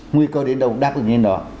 nguy cơ đến đâu cũng đáp được đến đó